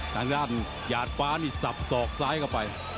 ทางด้านหยาดฟ้านี่สับสอกซ้ายเข้าไป